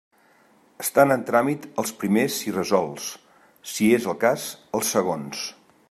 Estan en tràmit els primers i resolts, si és el cas, els segons.